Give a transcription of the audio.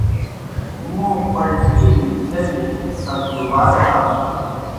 موں پلٹِیلِیْ تھلیْ ست دُبار داسُن۔